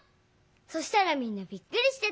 そしたらみんなびっくりしてた。